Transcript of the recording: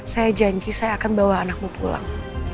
saya janji saya akan bawa anakmu pulang